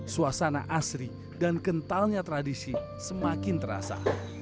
suasana asri dan kentalnya tradisi semakin terasa